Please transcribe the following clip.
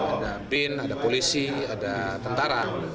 ada bin ada polisi ada tentara